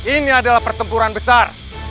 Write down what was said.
ini adalah pertempuran besar